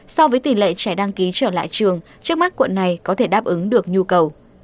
so với tỷ lệ trẻ đăng ký trở lại trường trước mắt quận này có thể đáp ứng được nhu cầu